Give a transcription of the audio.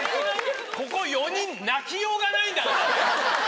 ここ４人泣きようがないんだからね